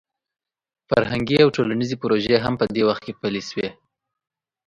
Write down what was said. فرهنګي او ټولنیزې پروژې هم په دې وخت کې پلې شوې.